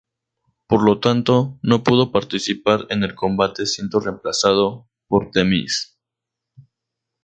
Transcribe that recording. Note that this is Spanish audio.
Por lo tanto, no pudo participar en el combate siendo reemplazado por The Miz.